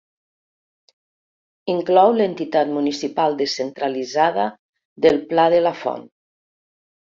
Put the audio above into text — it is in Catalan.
Inclou l'entitat municipal descentralitzada del Pla de la Font.